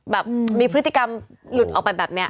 แบบมีพฤติกรรมหลุดออกไปแบบนี้